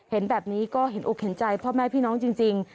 เห็นแบบนี้ก็เห็นอกเห็นใจพ่อแม่พี่น้องจริง